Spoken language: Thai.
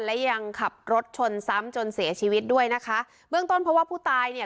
และยังขับรถชนซ้ำจนเสียชีวิตด้วยนะคะเบื้องต้นเพราะว่าผู้ตายเนี่ย